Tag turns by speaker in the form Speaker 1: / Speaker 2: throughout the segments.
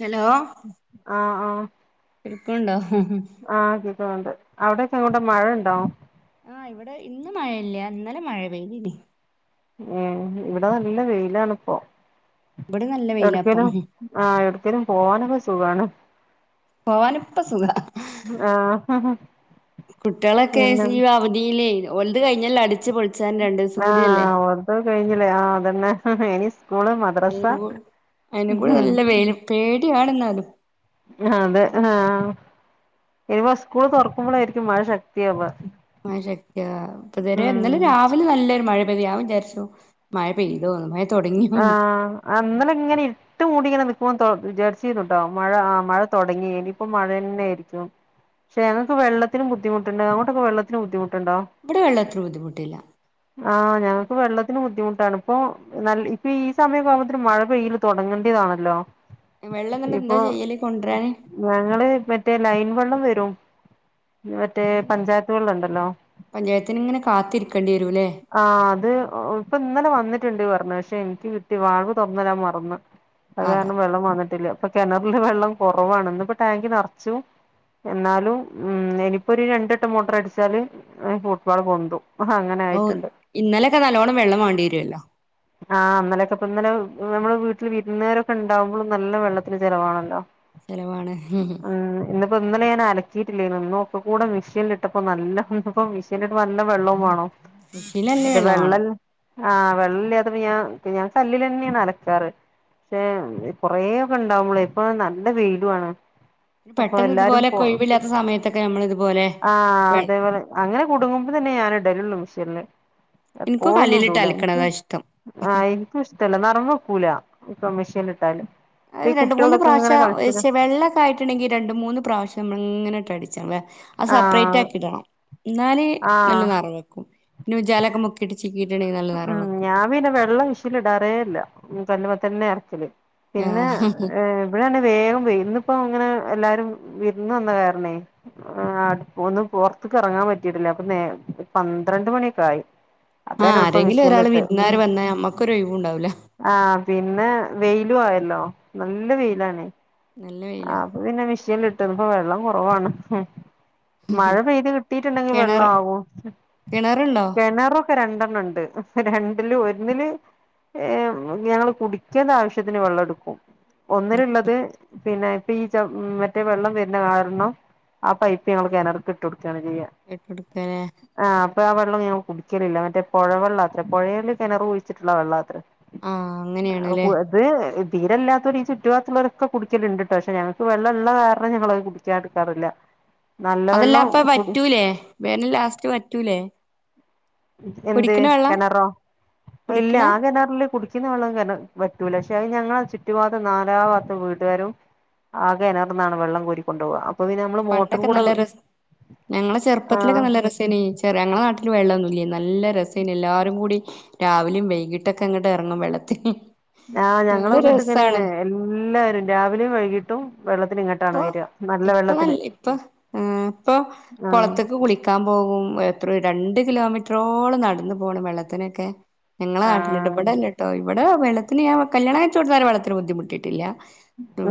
Speaker 1: Hello
Speaker 2: ആ ആ
Speaker 1: ഇട്ക്ൺണ്ടോ
Speaker 2: ആഹ് ക്കികോണ്ട് അവ്ടെക്കെ ങ്ങോട്ടാമഴണ്ടോ
Speaker 1: ആഹ് ഇവിടെ ഇന്ന് മഴല്ല്യ ന്നലെ മഴ പെയ്തീനി
Speaker 2: ഉം ഇവിടെ നല്ല വെയിലാണ്പ്പൊ
Speaker 1: ഇവിടെ നല്ല വെയിലാപ്പം
Speaker 2: എവ്ട്ക്കേലും ആഹ് എവ്ട്ക്കേലും പോവാനൊക്കെ സുഖാണ്
Speaker 1: പോവാനൊപ്പ സുഖാ
Speaker 2: ആഹ്
Speaker 1: കുട്ട്യാളക്കെ
Speaker 2: പിന്നെ
Speaker 1: സീവധീലേയ് ഒൽത് കഴിഞ്ഞല്ലോ അടിച്ചു പൊൾ
Speaker 2: ആഹ് ഓൽതൊകെ കഴിഞ്ഞില്ലേ ആഹ് അതന്നെ ഇനി സ്കൂള് മ
Speaker 1: ഏൻഗോ അയ്നങ്കൂടെ നല്ല വെയ്ല് പേടിയാണ്ന്നാലും
Speaker 2: ങ്ഹാ അതെ ആഹ് ഇനിപോ സ്കൂള് തൊർക്കുമ്പളായിരിക്കും മഴ ശക്തിയാവാ
Speaker 1: മഴ ശക്തിയാവ പ്പത്വരെ ഇന്നാലെ രാവിലെ നല്ലര് മഴ പെയ്തു ഞാൻ വിചാര്ച്ചു മഴ പെയ്തോന്ന് മഴ തൊടങ്ങിയോ
Speaker 2: ആഹ് ന്നലെങ്ങനെ ട്ട് മൂടിന്ന ഇപോൺ തൊ വിജാര്ച്ചീന്നുട്ടോ മഴ ആഹ് മഴ തൊടങ്ങിനിപ്പം മഴന്നേര്ക്യും ചേലോൽക് വെള്ളത്തിനും ബുദ്ധിമുട്ടന്നേ അങ്ങോട്ടൊക്കെ വെള്ളത്തിന് ബുദ്ധിമുട്ട്ണ്ടോ
Speaker 1: ഭടെ വെള്ളതിന് ബുദ്ധിമുട്ടില്ല
Speaker 2: ആഹ് ഞങ്ങക്ക് വെള്ളത്തിന് ബുദ്ധിമു ട്ടൺപ്പൊ നൽ ഇപ്പീ സമയൊക്കെ ആകുമ്പോത്തിനനും മഴ പെയ്യല് തൊടങ്ങണ്ട്യേതാണല്ലോ
Speaker 1: വെള്ളംന്ന്ട്ട് എന്താ ചെയ്യല് കൊണ്ട്രാന്
Speaker 2: ഞങ്ങള് പറ്റേ ലൈൻ വള്ളം വരും മറ്റേ
Speaker 1: അതിനിങ്ങനെ
Speaker 2: പഞ്ചായത്ത് വെള്ളണ്ടല്ലോ
Speaker 1: പഞ്ചായത്തിന് ഇങ്ങനെ കാത്തിരിക്കേണ്ടി വരൂല്ലേ
Speaker 2: ആഹ് ത് ഇന്നലെ വന്നിട്ട്ണ്ട് പർണു ക്ഷെ ൻക്ക് കിട്ടി വാൾവ് തൊർന്ന്ടാൻ മറന്ന് അത്
Speaker 1: അത
Speaker 2: കാര്നം വെള്ളം വന്ന്ട്ടില്ല പ്പ കെണർല് വെള്ളം കൊറവാണ് ന്ന്പ്പോ ടാങ്കിനറച്ചു എന്നാലും ഉം എനിപ്പോര് രണ്ടെട്ടം മോട്രടിച്ചാല് ഫൂട്ബാൾ പൊന്തും ഹൊഹ അങ്ങനായിറ്റ്ണ്ട്
Speaker 1: ഇന്നലെക്കെ നല്ലോണം വെള്ളം വാണ്ട്യേര്യുല്ലോ
Speaker 2: ആഹ് ന്നലക്കെപന്നലെ ഞമ്മള് വീട്ട്ല് വീര്ന്നേരൊക്കെണ്ടാവുമ്പളും നല്ല വെള്ളത്തിന് ചെലവാണല്ലോ
Speaker 1: ചെലവാണ്
Speaker 2: ഇന്ന്പ്പോ ഇന്നലെഞാ അലക്കിയിട്ടില്ലേ ന്നു ന്ന്ഒക്കെ കൂടെ മിഷൻല്ട്ടപോ നല്ല ഹും അപോ മിഷേൻലിട്മ്പ നല്ല വെള്ളും വാണം
Speaker 1: കൃഷിയില് നല്ല
Speaker 2: ത്
Speaker 1: വെള്ളം വേണം
Speaker 2: വെള്ളൽ ആഹ് വെള്ളല്യാതപോ ഞ്യ ഞാകല്ലിലെ ന്യാണ് അലക്കാറ് ക്ഷെ കൊറെപണ്ടാവുമ്പളേ ഇപ്പൊ നല്ല വെയിലുആണ്
Speaker 1: പെട്ടന്ന്ത്പോലെ കൊയിവില്ലാത്ത സമയത്തൊക്കെ നമ്മള് ഇത്പോലെ
Speaker 2: ആഹ്
Speaker 1: വെ
Speaker 2: അതേപോലെ അങ്ങനെ കുടുങ്ങുമ്പോ തന്നെയാന ടലൊള്ളൂ മിഷീൻല്
Speaker 1: എനിക്കും കല്ലിലിട്ട്
Speaker 2: എപ്പോളൊന്നുടൂല ൻക്ക്
Speaker 1: അലക്കണതാ ഇഷ്ടം
Speaker 2: ആയി ക്ക്ഷ്ടല്ല നറം വക്കൂല ഇപ്പമെഷീൻ ല്ട്ടാല്
Speaker 1: അത് രണ്ട് മൂന്ന് പ്രാശ്യം വേശ്യേ വെള്ളക്കായ്ട്ട് ട്ട്ണ്ടെങ്കി രണ്ട് മൂന്ന് പ്രാവശ്യംമ്മള് ങ്ങനെട്ട് അടിച്ചണം വെ
Speaker 2: ആഹ്
Speaker 1: അസപ്പറേറ്റാക്കിടണം ന്നാല്
Speaker 2: ആഹ്
Speaker 1: നല്ല നർങ്ങക്കും പിന്നെ ഉ ജാലക്കെ മുക്കീട്ട് ചീക്കീട്ട്ണ്ടങ്കി നല്ല നറം
Speaker 2: ഉം
Speaker 1: വെക്കും
Speaker 2: ഞാൻ പിന്നെ വെള്ള വിഷേൻല്ടാറേല്ല ഉം കല്ല്മത്തന്നെ എർക്കല് പിന്നെ
Speaker 1: ആഹ്
Speaker 2: ഏ പഴാണ് വേഗം വൈ ഇന്ന്പ്പോ ങ്ങനെ എല്ലാരും വിര്ന്ന് വന്ന കാര്നേ ആഹ് അട്പോന്ന് പൊർത്ക്കറങ്ങാ പറ്റിട്ടില്ല അപ്പൊ നേ പന്ത്രണ്ട് മണ്യേക്കായി
Speaker 1: ആരേങ്കിലൊരാൾ വിര്ന്നാര്‌ വന്നാ നമ്മക്കൊരൊയ് വുണ്ടാവുല
Speaker 2: ആഹ പിന്നെ വെയിലും ആയല്ലോ നല്ല വെയിലാണ്
Speaker 1: നല്ല വെയില
Speaker 2: അ പിന്നെ മെഷീൽ ഇട്ട ഇപ്പൊ വെള്ളം കുറവാണ് മഴ പെയ്ത് കിട്ടിട്ടുണ്ടെങ്കിൽ വെള്ളം
Speaker 1: കിണറ്
Speaker 2: ആവും
Speaker 1: കിണറുണ്ടോ
Speaker 2: കിണറു രണ്ടെണ്ണം ഉണ്ട് രണ്ടില് ഒന്നില് ഏർ ഞങ്ങള്ൾ കുടിക്കേണ്ട ആവശ്യത്തിന് വെള്ളം എടുക്കും ഒന്നിനള്ളത് പിന്നെ ഇപ്പൊ ഈ മറ്റേ വെള്ളം വരുന്ന കാരണം ആ പൈപ്പ് ങ്ങള് കണറർക്ക് ഇട്ട് കൊടുക്കുകാണ് ചെയ്യ
Speaker 1: ഇട്ടുടുക്കെ
Speaker 2: ആഹ് അപ്പൊ ആ വെള്ളം ഞ കുടിക്കലില്ല മറ്റേ പുഴവെള്ളാത്ര പുഴയിൽ കിണർ ഒഴിച്ചിട്ടുള്ള ആ വെള്ളം അത്ര
Speaker 1: ആഹ് അങ്ങനെയാണ്ല്ലേ
Speaker 2: അത് തീരെല്ലാത്തവര് ഈ ചുറ്റു ഭാഗത്തുള്ളവരൊക്കെ കുടിക്കലിണ്ട്ട്ട പക്ഷെ ഞങ്ങൾക്ക് വെള്ള ഉള്ള കാരണം ഞങ്ങളത് കുടിക്കാൻ എടുാറില്ല
Speaker 1: അതെല്ലാപ്പ പറ്റൂലേ വേനൽലാസ്റ്റ് വറ്റൂലേ
Speaker 2: എന്ത്
Speaker 1: കുടിക്കണ വെള്ളം
Speaker 2: കിണറോ ഇല്ല
Speaker 1: കുടിക്കണ
Speaker 2: ആ കിണറില് കുടിക്ക കിണറ്റ് ത്തെ വെള്ളം പറ്റൂല പക്ഷെ അ ഞങ്ങള ചുറ്റു ഭാഗം നാലാ ഭാത്തം വീട്ടുകാരും ആ കിണർന്നാണ് വെള്ളം കോരി കൊണ്ടോ വ
Speaker 1: പണ്ടൊക്കെ നല്ല രം ഞങ്ങളെ ചെറുപ്പത്തിലൊക്കെ
Speaker 2: ആഹ്
Speaker 1: നല്ല രസം ര ചെറിയ ഞങ്ങളെ നാട്ടില് വെള്ളമൊന്നും ഇല്ലേ നല്ല രസേന് എല്ലാരും കൂടി രാവിലെയും വൈകിട്ടൊക്കെ ഇങ്ങോട്ട് ഇറങ്ങും വെള്ളത്തിന്
Speaker 2: ആഹ് ഞങ്ങള
Speaker 1: നല്ല
Speaker 2: വീട്ട്
Speaker 1: രസാണ്
Speaker 2: ഇങ്ങീനെയാണ് എല്ലാരും രാവിലെയും വൈകിട്ടും വെള്ളത്തിന് ഇങ്ങട്ടാണ്
Speaker 1: ഇപ്പൊ
Speaker 2: വരിക
Speaker 1: ഇപ്പൊ നല്ല
Speaker 2: വെള്ളത്തിന്
Speaker 1: ഇപ്പൊ ഇപ്പൊ കുളത്തക്ക കുളിക്ക കിക്കാൻ പോകും എത്ര രണ്ട് കിലോമീറ്ററോളം നടന്നു പോണം വെള്ളത്തിനൊക്കെ ഞങ്ങളെ നാട്ടില
Speaker 2: ആഹ്
Speaker 1: ഇപവിടല്ലട്ടോ ഇവിടെ വെള്ളത്തിന് ഞാ കല്യാണംഴച്ച കൊടുത്താ വളരെ ബുദ്ധിമുട്ടിട്ടില്ല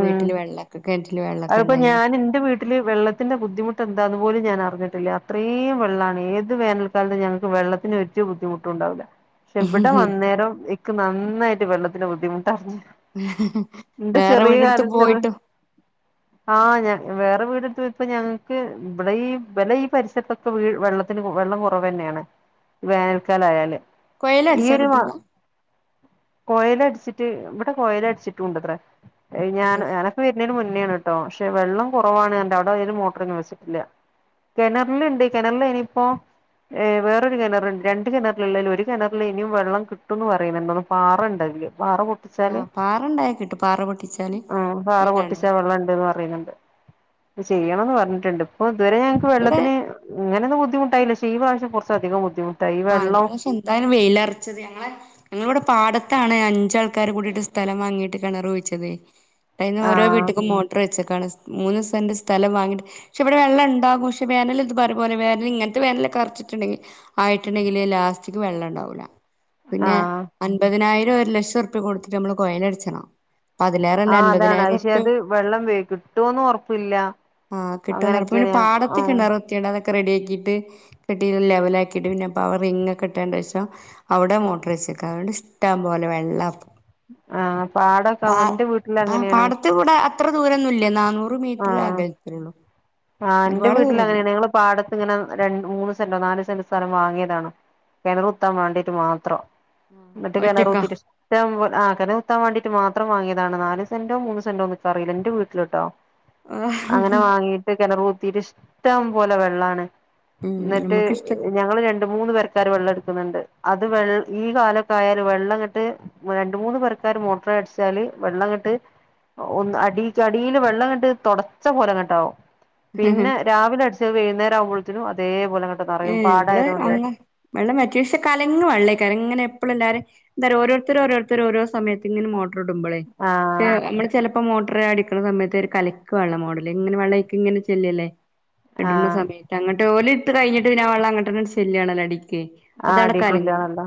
Speaker 2: ഉം
Speaker 1: വീട്ടില് വെള്ളൊക്കെ കിണറ്റില് വെള്ളമൊക്കെ
Speaker 2: അതിപ്പോ
Speaker 1: ഉണ്ടായിന്
Speaker 2: ഞാൻ എന്റെ വെള്ളത്തിന്റെ ബുദ്ധിമുട്ട് എന്താണന്ന് പോലും ഞാൻ അറിഞ്ഞിട്ടില്ല. അത്രീം വെള്ളാണ്. ഏത് വേനൽ കാരണം ഞങ്ങൾക്ക് വെള്ളത്തിന് ഒര് ബുദ്ധിമുട്ടുണ്ടാവില്ല. പക്ഷെ ഇവിടെ വന്നേരം എക്ക് നന്നായിട്ട് വെള്ളത്തിന്റെ ബുദ്ധിമുട്ടാ.
Speaker 1: വേറെ വീടെടുത്ത്
Speaker 2: ചെറു
Speaker 1: പോയിട്ടും.
Speaker 2: ആഹ്. ഞ വേറെ വീടെടുത്ത്, ഇപ്പ ഞങ്ങക്ക് ഇവിടെ ഈ പരിസരത്തൊ- ഇപ്പെ വീ വെള്ളത്തിന് വെള്ളം കുറവ്ന്നെയാണ്. വേനൽക്കാലായാല്. ഈ
Speaker 1: കൊയലടിച്ചാ
Speaker 2: ഒരു മാ
Speaker 1: കിട്ടൂല
Speaker 2: കൊയലടിച്ചിട്ട് ഇവിടെ കൊയല് അടിച്ചിട്ടുംണ്ട്ത്രേ. ഞാൻ
Speaker 1: ഉണ്ടല്ലേ
Speaker 2: അങ്ങനെ- ഞാൻവരുന്നേന് മുന്നേണ് ട്ടോ. പക്ഷെ വെള്ളം കുറവാണ്. അവിടെതില് മോട്ടറൊന്നും വെച്ചിട്ടില്ല. കിണറില്ണ്ട്. കിണറിലയിനിപ്പോ. ഏ. വേറൊരു കിണറ്ണ്ട്. രണ്ട് കിണറൽള്ളേിൽ ഒരു കിണറിൽ ഇനിയും വെള്ളം കിട്ടുംന്ന് പറയുന്നുണ്ട്. പാറണ്ടയില്. പാറ -
Speaker 1: ആഹ് പാറണ്ടായ കിട്ടും. പാറ പൊട്ടിച്ചല് വെള്ളണ്ടാവും.
Speaker 2: ആ ണ്ട് പറീണ് ണ്ട്. ചെയ്യണംന്ന് പറഞ്ഞിട്ടുണ്ട്. ഇപ്പൊ ഇതുവരെ ഞങ്ങക്ക്
Speaker 1: ഇവിടെ
Speaker 2: വെള്ളത്തിന്. ഇങ്ങനെന്നും ബുദ്ധിമുട്ടായില്ല. പക്ഷെ ഈ പ്രാവശ്യം കുറച്ചധികം ബുദ്ധിമു -
Speaker 1: ആഹ്. ഇപ്രാവശ്യം എന്തായന് വെയിലറച്ചത്. ഞങ്ങളെ- ഇവിടെ പാടത്താണ് അഞ്ചാൾക്കാര് കൂടിട്ട് സ്ഥലം വാങ്ങീട്ട് കെണർ കുഴിച്ചത്. അയിന്ന് ഓരോ
Speaker 2: ആഹ്
Speaker 1: വീട്ട്ക്കും മോട്ടർ വെച്ചക്കാണ്. മൂന്ന് സെൻറ് സ്ഥലം വാങ്ങിട്ട്. പക്ഷെ ഇവിടെ വെള്ളംണ്ടകും പക്ഷേ ച്ച് വ്ടെ വേനൽ ഇണ്ടാകും. പക്ഷെ പോലെ വേനൽ ഇങ്ങനത്തെ വേനലൊക്കെ അറച്ട്ട്ണ്ടെങ്കിൽ, ആയിട്ട്- ട്ട്ണ്ടെങ്കില് ലാസ്റ്റക്ക് വെള്ളം ഉണ്ടാവൂല. പിന്നെ.
Speaker 2: ആഹ്
Speaker 1: അൻപതിനായിരം ഒരു ലക്ഷം റുപ്യ കൊടുത്തിട്ട് നമ്മള് കോയലട്ച്ചണം.
Speaker 2: ആഹ് അതാണ് പക്ഷെ അത് വെള്ളം വേ കിട്ടോന്നും ഒറപ്പില്ല.
Speaker 1: ആഹ് കിട്ടോന്നൊറപ്പ് പിന്നെ പാടത്ത് കെണറുത്തിണ്ട് അതൊക്കെ റെഡിയാക്കിയിട്ട് കെട്ടീട്ട് ലെവലാക്കിയിട്ട് പിന്നെ [unintelligible] റിങ് ഒക്കെ ഇട്ടേണ്ടേൻ്റെ ശേഷം അവിടെ മോട്ടറ് വെച്ചക്കാ അതുകൊണ്ട് ഇഷ്ട്ടം പോലെ വെള്ളാ ഇപ്പം.
Speaker 2: ആഹ് പാടൊക്കെ
Speaker 1: പാ
Speaker 2: എന്റെ വീട്ടിൽ
Speaker 1: ആഹ്
Speaker 2: അങ്ങനെയാണ്
Speaker 1: പാടത്ത്‌ ഇവ്ടെ അത്ര ദൂരൊന്നുല്ല, നാന്നൂറ് മീറ്റർ
Speaker 2: ആഹ്
Speaker 1: അകൽ [unintelligible]
Speaker 2: ആഹ് ഇന്റെ വീട്ടില് അങ്ങനെയാണ് ഞങ്ങള് പാടത്ത് ഇങ്ങനെ രണ്ട് മൂന്ന് സെന്റോ നാല് സെന്റോ സ്ഥലം വാങ്ങിയതാണ്. കെണറ് കുത്താൻ വേണ്ടിട്ട് മാത്രം ഇന്നിട്ട് കെണറ്
Speaker 1: ഒറ്റക്കാ
Speaker 2: കുത്തീട്ട് ഇഷ്‌ട്ടം പോൽ ആഹ് കെണറ് കുത്താൻ വേണ്ടിട്ട് മാത്രം വാങ്ങിയതാണ് നാല് സെന്റോ മൂന്ന് സെന്റോന്ന് ഇക്ക്‌ അറീല്ലാ ഇന്റെ വീട്ടിലിട്ടോ അങ്ങനെ വാങ്ങീട്ട് കെണറ് കുത്തീട്ട് ഇഷ്ട്ടം പോലെ വെള്ളാണ്.
Speaker 1: ഉം
Speaker 2: ഇന്നിറ്റ്
Speaker 1: നമ്മക്ക് ഇഷ്ട
Speaker 2: ഇ ഞങ്ങള് രണ്ട് മൂന്ന് പെരക്കാര് വെള്ളം എടുക്കുന്നുണ്ട് അത് വെൾ ഈ കാലൊക്കെ ആയാല് വെള്ളങ്ങട്ട് രണ്ട് മൂന്ന് പെരക്കാര് മോട്ടർ അടിച്ചാല് വെള്ളങ്ങട്ട് ആഹ് ഒന്ന് അടീക്ക് അടീല് വെള്ളങ്ങട്ട് തൊടച്ച പോലെങ്ങട്ടാവും. പിന്നെ രാവിലെ അടിച്ചത് വെയ്ന്നേരം ആവുമ്പൾത്തിനും അതേപോലെ ഇങ്ങട്ട് നറയും
Speaker 1: ഏഹ് ഇവിടെ
Speaker 2: പാടായതോണ്ടെയ്.
Speaker 1: അങ്ങ വെള്ളം വറ്റി പഷെ കലങ്ങ് വെള്ളായിക്കാരം ഇങ്ങനെ എപ്പഴും എല്ലാരും എന്താറിയോ ഓരോരുത്തര് ഓരോരുത്തര് ഓരോ സമയത്ത് ഇങ്ങനെ മോട്ടറ് ഇടുമ്പളെ,
Speaker 2: ആഹ്
Speaker 1: [unintelligible] നമ്മള് ചെലപ്പോ മോട്ടറ് അടിക്ക്ണ സമയത്ത് ഒരു കലക്ക് വെള്ളം മോഡല് ഇങ്ങനെ വെള്ളം അയ്ക്ക്ങ്ങനെ ചെല്ലല്ലേ? ഇടണ
Speaker 2: ആഹ്
Speaker 1: സമയത്ത് അങ്ങട്ട് ഓല് ഇട്ട് കഴിഞ്ഞിട്ട് പിന്നെ വെള്ളം അങ്ങട്ടന്നെ ചെല്ലാണല്ലോ അടീക്ക്.
Speaker 2: ആ
Speaker 1: അപ്പതട്ട് കലങ്ങും
Speaker 2: അടീക്കില്ലാണല്ലോ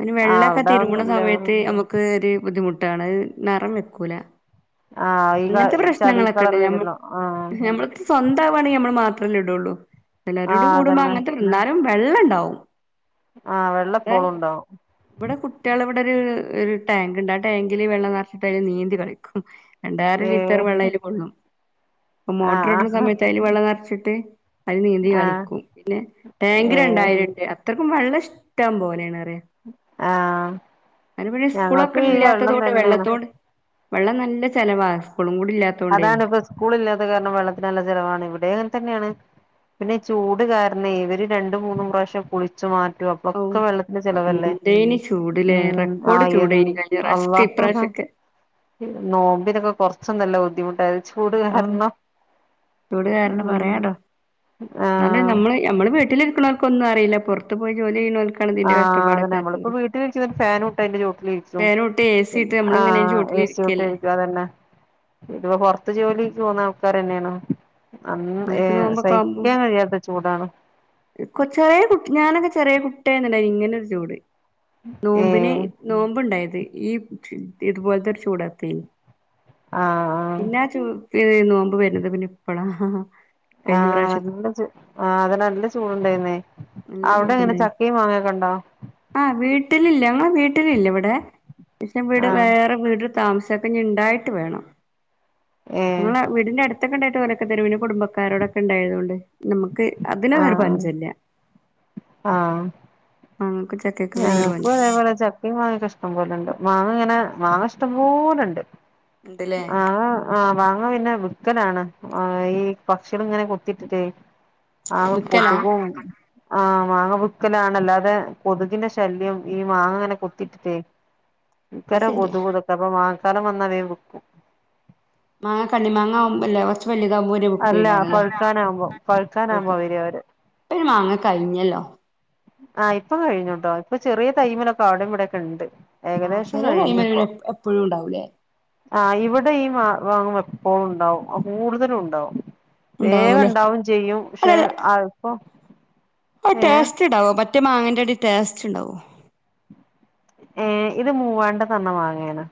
Speaker 1: അയിന്
Speaker 2: ആഹ്
Speaker 1: വെള്ളക്കെ തിരുമ്പണ
Speaker 2: അവിടാന്നല്ലേ
Speaker 1: സമയത്ത് നമുക്ക് ക്ക് ഒരു ബുദ്ധിമുട്ടാണത് നെറം വെക്കൂലാ.
Speaker 2: ആഹ്
Speaker 1: അങ്ങൻത്തെ
Speaker 2: ഈ ചളി കളർ
Speaker 1: പ്രശ്നങ്ങളൊക്കെണ്ട്.
Speaker 2: വരുല്ലോ
Speaker 1: ഞമ്മക്
Speaker 2: ആഹ്
Speaker 1: ഞമ്മൾക്ക്‌ സ്വന്താവാണെ നമ്മള് മാത്രല്ലേ ഇടുള്ളൂ. ലോഡ്
Speaker 2: ആഹ്
Speaker 1: കൂടുമ്പോം
Speaker 2: അതന്നെ
Speaker 1: അങ്ങനത്തെ ഇന്നാലും വെള്ളണ്ടാവും.
Speaker 2: ആഹ് വെള്ളപ്പോളും ഉണ്ടാവും.
Speaker 1: ഇവിടെ കുട്ട്യേള് ഇവിടെ ഒരു ഒരു ടാങ്ക്ണ്ട് ആ ടാങ്കില് വെള്ളം നെറച്ചിട്ട് അതില് നീന്തി കളിക്കും. രണ്ടായിരം
Speaker 2: ഏ
Speaker 1: ലിറ്റർ വെള്ളയില് കൊള്ളും അപ്പൊ മോട്ടറ്ടണ
Speaker 2: ആഹ്
Speaker 1: സമയത്ത് അയില് വെള്ളം നെറച്ചിട്ട് അയില് നീന്തി
Speaker 2: ആഹ്
Speaker 1: കളിക്കും പിന്നെ ടാങ്ക്
Speaker 2: ഏ
Speaker 1: രണ്ടായിരണ്ട് അത്രയ്ക്കും വെള്ളം ഇഷ്ട്ടം പോലെ ആണ് പറിയാ.
Speaker 2: ആഹ്
Speaker 1: അയിന് പിന്നെ
Speaker 2: ഞങ്ങൾക്ക്
Speaker 1: സ്കൂളൊക്കെ
Speaker 2: ഈ വെള്ളം
Speaker 1: ഇല്ലാത്തോണ്ട്
Speaker 2: തന്നെയാണ്
Speaker 1: വെള്ളത്തോണ്ട് വെള്ളം നല്ല ചെലവാ സ്കൂളും കൂടി ഇല്ലാത്ത
Speaker 2: അതാണ്പ്പോ സ്കൂൾ ഇല്ലാത്ത കാരണം വെള്ളത്തിന് നല്ല ചെലവാണ് ഇവിടേം അങ്ങൻതന്ന്യേണ് പിന്നെ ഈ ചൂട് കാര ന്നേ ഇവര് രണ്ടും മൂന്നും പ്രാശ്യം കുളിച്ചു മാറ്റു അപ്
Speaker 1: ഔ
Speaker 2: ഒക്കെ വെള്ളത്തിന്റെ ചെലവല്ലേ,
Speaker 1: എന്തേനി ചൂടിലേ
Speaker 2: ഉം
Speaker 1: റെക്കോർഡ്
Speaker 2: ആഹ് യെന്ത്
Speaker 1: ചൂടേനി കഴിഞ്ഞ
Speaker 2: അള്ളാ.
Speaker 1: പ്രാവശ്യത്തെ ഇപ്രാവശ്യൊക്കെ
Speaker 2: നോമ്പിനൊക്കെ കൊറച്ചൊന്നു അല്ല ബുദ്ധിമുട്ടായത് ചൂട്
Speaker 1: ഔ
Speaker 2: കാരണം,
Speaker 1: ചൂട് കാരണം
Speaker 2: ഉം ആഹ്
Speaker 1: ഞമ്മള് വീട്ടിലിര്ക്ക്ണോർക്കൊന്നും അറിയില്ല പൊറത്ത് പോയി ജോലി ചെയ്യണോല്ക്ക്
Speaker 2: ആഹ് അതന്നെ ഞമ്മളിപ്പോ വീട്ടിലിരിക്കണ ഫാനൂട്ട് അയിൻ്റെ ചോട്ടിലിരിക്കും
Speaker 1: ഫാനൂട്ടി എ സി ഇട്ട് നമ്മളിങ്ങനെ
Speaker 2: ആഹ് എസ്
Speaker 1: ചോട്ടിലിരിക്കല്ലേ
Speaker 2: ചോട്ടിലിരിക്കും അതെന്നെ. ഇത് ഇപ്പ പൊറത്ത് ജോലിക്ക് പോന്ന ആൾക്കാരെന്ന്യാണ് അൻ
Speaker 1: ഓര്ക്ക്
Speaker 2: ഏഹ്
Speaker 1: നോമ്പൊക്കെ ആവുമ്പോ
Speaker 2: സഹിക്കാൻ കയ്യാത്ത ചൂടാണ്.
Speaker 1: [unintelligible] കൊ ചെറ്യേ കുട്ട് ഞാനൊക്കെ ചെറ്യേ കുട്ട്യായന്ന്ണ്ടേനി ഇങ്ങനൊര് ചൂട്
Speaker 2: ഏ
Speaker 1: നോമ്പിന് നോമ്പ്ണ്ടായത് ഈ ഇതുപോലത്തൊര് ചൂടത്തേയ്.
Speaker 2: ആഹ്.
Speaker 1: പിന്നാ ചൂ ഏഹ് നോമ്പ് വെര്ന്നത് പിന്നെപ്പളാ
Speaker 2: ആഹ് നല്ല ചൂ ആഹ് അതന്നെ നല്ല ചൂട്ണ്ടായിരുന്നേ
Speaker 1: നല്ല ചൂടല്ലേ ആഹ് വീട്ടിലില്ല്യ ങ്ങളെ വീട്ടിലില്ലിവ്ടെ ക്ഷെ വിടെ
Speaker 2: ആഹ്
Speaker 1: വേറെ വീട് താമസക്കെഞ്ഞിണ്ടായിട്ട് വേണം
Speaker 2: ഏഹ്
Speaker 1: ഇങ്ങളെ വീട്ന്റെ അട് ത്തൊക്കെണ്ടായിട്ട് ഓലൊക്കെ തെരു പിന്നെ കുടുംബക്കാരോടൊക്കെണ്ടായതോണ്ട് നമ്മക്ക് അതിനെ വേറെ
Speaker 2: ആഹ്
Speaker 1: പഞ്ചല്ല്യ.
Speaker 2: ആഹ്.
Speaker 1: അമ്മക്കുച്ചക്ക്
Speaker 2: ഞങ്ങക്കൂ അതേപോലെ ച ക്കിം മാങ്ങീക്കെഷ്ടം പോലെണ്ട് മാങ്ങ ഇങ്ങനെ മാങ്ങ ഇഷ്ടംപോലൊണ്ട്
Speaker 1: ഇണ്ട്ല്ലേ
Speaker 2: ആഹ്. ആഹ് വാങ്ങ പിന്നെ വിക്കലാണ് ഈ പക്ഷ്യേള്ങ്ങനെ കൊത്തിട്ടിട്ടേയ് ആക
Speaker 1: വിക്കലാ
Speaker 2: കൊത്കും ആഹ് മാങ്ങ വിക്കലാണല്ലാതെ കൊത്കിന്റെ ശല്ല്യം ഈ മാങ്ങങ്ങനെ കൊത്തിട്ട്ട്ടേ
Speaker 1: അത്
Speaker 2: ഭക്കരെ
Speaker 1: ശരിയാ
Speaker 2: കൊതുകൂതൊ പ്പ പ്പ മാങ്ങക്കാലം വന്ന വേം വിക്കും.
Speaker 1: മാങ്ങ കണ്ണി മാങ്ങാവ്മ്പല്ലോ ച്ച് വെല്താമ്പോര് വിക്കു
Speaker 2: അല്ല
Speaker 1: എല്ലാരല്ലെ
Speaker 2: പഴുക്കാനാവുമ്പോ പഴുക്കാനാവുമ്പോ
Speaker 1: ഓക്കെ.
Speaker 2: വരും അവര്
Speaker 1: ഒര് മാങ്ങ കഴിഞ്ഞല്ലോ
Speaker 2: ആഹ് ഇപ്പം കഴിഞ്ഞുട്ടോ ഇപ്പോ ചെറിയ തൈമെലൊക്കെ അവിടിം ഇവിട്യൊക്കെണ്ട്.
Speaker 1: ആഹ്
Speaker 2: ഏകദേശം
Speaker 1: ചെറിയ കൈമല്
Speaker 2: കഴിഞ്ഞിപ്പോ.
Speaker 1: പിന്നെ എപ്പഴും ഉണ്ടാവൂലേ
Speaker 2: ആഹ് ഇവിടെ ഈ മാ മാങ്ങ എപ്പോഴുണ്ടാവും കൂടുതലൂണ്ടാവും.
Speaker 1: ഉണ്ടാവൂലേ
Speaker 2: വേഗണ്ടാവും ചെയ്യും പക്ഷെ അയ്പ്പോ
Speaker 1: ടേസ്റ്റ്ണ്ടാവ്വോ മറ്റേ മാങ്ങൻ്റാടി ടേസ്റ്റ്ണ്ടാവ്വോ?
Speaker 2: ഏഹ് ഇത് മൂവാണ്ട് ന്നർഞ മാങ്ങേണ്.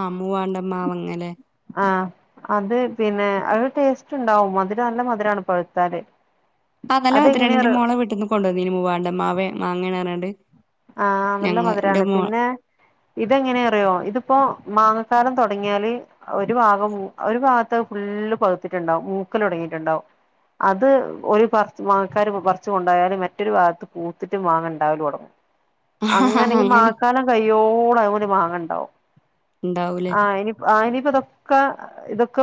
Speaker 1: ആഹ് മൂവാണ്ടമാവങ്ങലേ.
Speaker 2: ആഹ്. അത് പിന്നെ അത് ടേസ്റ്റ്ണ്ടാവും മധിരം നല്ല മധിരാണ് പഴ്ത്താല്.
Speaker 1: ആഹ് നല്ലെ മധിരാണ്ന്റെ മോളെ വിട്ട്ന്ന് കൊണ്ടോന്നിനി മൂവാണ്ടെ മാവേ മാങ്ങ്യാണ്ന്നറങ്ങാണ്ട്.
Speaker 2: ആഹ് നല്ല മധിരാണ് പിന്നെ ഇതെങ്ങനറിയോ ഇതിപ്പോ മാങ്ങക്കാലം തൊടങ്ങ്യാല് ഒരു ഭാഗം പൂ ഒരു ഭാഗത്തെ ഫുള്ള് പവ്ത്തിട്ട്ണ്ടാവും മൂക്കലൊടങ്ങീട്ട്ണ്ടാവും. അത് ഒര് പറ്ച്ച് മാങ്ങക്കാര് പറ്ച്ച് കൊണ്ടോയാല് മറ്റൊരു ഭാഗത്ത് പൂത്ത്ട്ടും മാങ്ങണ്ടാവല് തൊടങ്ങും. അങ്ങനെ ഈ മാക്കാലം കയ്യോളം അയ്മല് മാങ്ങണ്ടാവും.
Speaker 1: ഉണ്ടാവൂലേ
Speaker 2: ആഹ് ഇനി ആഹ് ഇനീപ്പതൊക്കെ ഇതൊക്കെ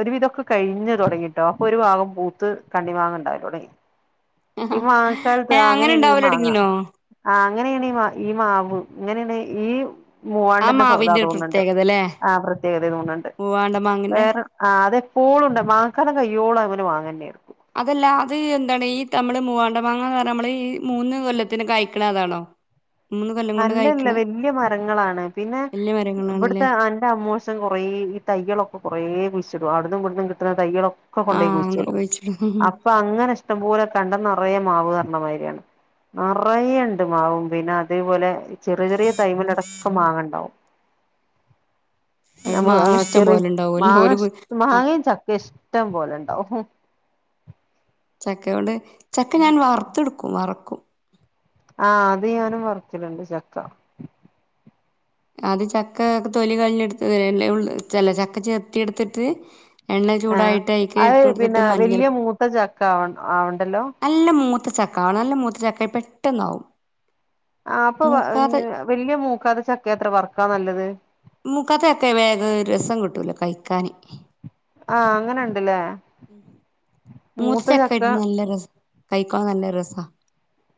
Speaker 2: ഒരുവിധൊക്കെ കഴിഞ്ഞ് തൊടങ്ങിട്ടോ അപ്പൊര് ഭാഗം പൂത്ത് കണ്ണിമാങ്ങണ്ടായ്തൊടങ്ങി.
Speaker 1: ഏഹ് അങ്ങനെണ്ടാവലൊടങ്ങീനോ?
Speaker 2: ആഹ് അങ്ങന്യേണ് ഈ മാ ഈ മാവ് ഇങ്ങന്യേണ ഈ
Speaker 1: ആ
Speaker 2: മൂവാണ്ടന്റെ സോദാ
Speaker 1: മാവിന്റെ ഒരു
Speaker 2: തോന്നുന്നുണ്ട്
Speaker 1: പ്രത്യേകതല്ലേ
Speaker 2: ആ പ്രത്യേകത തോന്നുന്നുണ്ട്
Speaker 1: മൂവാണ്ടൻ മാങ്ങന്റെ
Speaker 2: വേറെ ആഹ് അതെപ്പോളുംണ്ട് മാങ്ങാക്കാലം കയ്യോളും അതില് മാങ്ങന്നെയാര്ക്കും
Speaker 1: അതല്ല അത് എന്താണ് ഈ തമ്മള് മൂവാണ്ട മാങ്ങ എന്ന് പറഞ്ഞാൽ നമ്മള് ഈ മൂന്ന് കൊല്ലത്തിന് കായ്ക്കണ അതാണോ മൂന്ന് കൊല്ലം കൊണ്ട്
Speaker 2: അല്ലല്ല
Speaker 1: കായ്ക്കണ
Speaker 2: വല്യ മരങ്ങളാണ് പിന്നെ
Speaker 1: വല്യ
Speaker 2: ഇവിടുത്തെ
Speaker 1: മരങ്ങളാണല്ലേ
Speaker 2: എന്റെ അമ്മൂസ് ച്ചൻ കുറേ ഈ തൈയളൊക്കെ കുറേ കുഴിച്ചിടും അടുന്നും വിടുന്നും കിട്ടുന്ന തൈകളൊ ഒക്ക കൊണ്ടയി
Speaker 1: ആഹ് അങ്ങനെ
Speaker 2: കുഴിച്ചിടും
Speaker 1: കഴിച്ചിട്ടു
Speaker 2: അപ്പൊ അങ്ങനെ ഇഷ്ടംപലെ കണ്ടം നിറയെ മാവ് പറണമാതിരിയാണ് നറയുണ്ട് മാവും പിന്നെ അതേപോലെ ചെറിയ ചെറിയ തൈമലടൊക്കെ മാങ്ങണ്ടാവും
Speaker 1: അവിടെ
Speaker 2: നമ്മ ആ
Speaker 1: മാങ്ങ ഇഷ്ടം
Speaker 2: ചെറി
Speaker 1: പോലെ ഉണ്ടാവുമല്ലോ
Speaker 2: മാങ്ങ
Speaker 1: ഓല്
Speaker 2: ഇഷ്
Speaker 1: ആഹ്
Speaker 2: മാങ്ങയും ചക്കയും ഇഷ്ടം പോലെ ഉണ്ടാവും
Speaker 1: ചക്കയ കൊണ്ട് ചക്ക ഞാൻ വറുത്തെടുക്കും വറക്കും
Speaker 2: ആഹ് അത് ഞാനും വറക്കിലുണ്ട് ചക്ക
Speaker 1: അത് ചക്ക ഒക്കെ തൊലി കയിലെടുത്ത് ഉള്ളല്ല ചെല ചക്ക ചെത്തി എടുത്തിട്ട് എണ്ണ
Speaker 2: ആഹ്
Speaker 1: ചൂടായിട്ട് അയീക്ക്
Speaker 2: അത്
Speaker 1: ഇട്ടു കൊടുത്തിട്ട്
Speaker 2: പിന്നെ
Speaker 1: മഞ്ഞൾ
Speaker 2: വല്യ മൂത്ത ചക്ക ആവ ആവണ്ടല്ലോ
Speaker 1: നല്ല മൂത്തച്ചക്ക ആണ് നല്ല മൂത്ത ചക്ക പെട്ടെന്നാവും
Speaker 2: ആഹ് അപ്പൊ
Speaker 1: മൂക്കാതെ
Speaker 2: വലിയ മൂക്കാതെ ചക്ക എത്ര വർക്കാ നല്ലത്
Speaker 1: മൂക്കാത്ത ചക്കയെ വേഗം രസം കിട്ടൂല്ലാ കഴിക്കാന്
Speaker 2: ആഹ് അങ്ങനുണ്ടല്ലേ
Speaker 1: മൂത്ത ചക്ക ഇട്ട നല്ല രസ കഴിക്കാൻ നല്ല രസവാ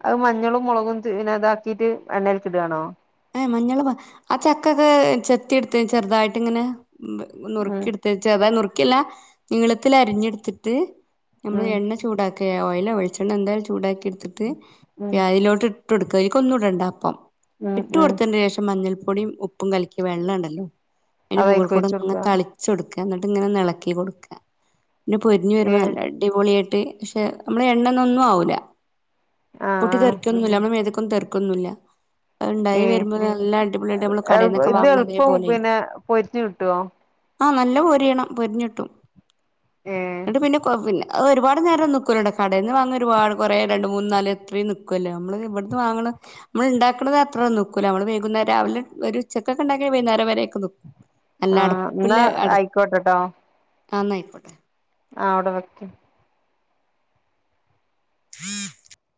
Speaker 2: അത് മഞ്ഞളും മുളകും പിന്നെ ഇതാക്കീട്ട് എണ്ണയിലേക്ക് ഇടുവാണോ
Speaker 1: ഏഹ് മഞ്ഞള് ആഹ് ചക്കയൊക്കെ ചെത്തിയെടുത്ത് ചെറുതായിട്ട് ഇങ്ങനെ
Speaker 2: ഉം
Speaker 1: നുറുക്കി എടുത്ത് ചെറുതായി നുറുക്കിയല്ല നീളത്തിൽ അരിഞ്ഞെടുത്തിട്ട് നമ്മള്
Speaker 2: ഉം
Speaker 1: എണ്ണ ചൂടാ ഓക്കെ ഓയി വെിച്ചെണ്ണ എന്തായും ഓയില് ഒഴിച്ചോണ്ട് തന്നെ ചൂടാക്കി എടുത്തിട്ട്
Speaker 2: ഉം
Speaker 1: അയിലോട്ട് ഇട്ട് കൊടുക്കുക അയിലേക്ക് ഒന്നും ഇടണ്ട അപ്പം
Speaker 2: ഉം
Speaker 1: ഇട്ട്
Speaker 2: ഉം
Speaker 1: കൊടുത്തതിന് ശേഷം മഞ്ഞൾപ്പൊടിയും ഉപ്പും കലക്കിയ വെള്ളം ഉണ്ടല്ലോ അതിന്റെ മുകളിൽ
Speaker 2: അതായിക്ക്
Speaker 1: കൂടെ
Speaker 2: വെച്ച്
Speaker 1: അങ്ങ്
Speaker 2: കൊടുക്ക
Speaker 1: തളി വെച്ച് കൊടുക്കുക എന്നിട്ട് ഇങ്ങനെ ഇളക്കി കൊടുക്കുക പിന്നെ പൊരിഞ്ഞ് വരുമ്പോൾ
Speaker 2: ഏഹ്
Speaker 1: നല്ല അടിപൊളിയായിട്ട് പക്ഷെ നമ്മള് എണ്ണയൊന്നും ഒന്നും ആവില്ല
Speaker 2: ആഹ്
Speaker 1: പൊട്ടി
Speaker 2: ആഹ്
Speaker 1: തെറിക്കൊന്നുംല്ല നമ്മ മേത്തേക്കൊന്നും തെറിക്കൊന്നുമില്ല ഉണ്ടായി
Speaker 2: ഏഹ്
Speaker 1: വരുമ്പോൾ നല്ല അടിപൊളിയായിട്ട് നമ്മള് കടേന്നൊക്കെ
Speaker 2: ഇത് എളുപ്പം
Speaker 1: വാങ്ങണത്പോലെ
Speaker 2: പിന്നെ പൊരിഞ്ഞ് കിട്ടുവോ
Speaker 1: ആഹ് നല്ല മൊരിയണം മൊരിഞ്ഞിട്ടും
Speaker 2: ഏഹ്
Speaker 1: എന്നിട്ട് പിന്നെ ഒരുപാട് നേരം നിക്കൂലട കടേന്ന് വാങ്ങുന്ന ഒരുപാട് കുറേ രണ്ട് മൂന്ന് നാല് അത്രയും നിൽക്കുവല്ലോ നമ്മള് ഇവിടുന്ന് വാങ്ങണ നമ്മൾ ഉണ്ടാക്കണത അത്രം നോക്കൂല നമ്മള് വൈകുന്നേരം രാവിലെ ഒരു ചെക്കപ്പുണ്ടെങ്കില് വൈകുന്നേരം വരയൊക്കെ നി അല്ല
Speaker 2: ആഹ് എന്നാ
Speaker 1: അടപ്പില് അട
Speaker 2: ആയിക്കോട്ടെട്ടോ
Speaker 1: എന്നിയിക്കോട്ടെ
Speaker 2: ആഹ് അവിടെ വെക്കും
Speaker 1: [unintelligible]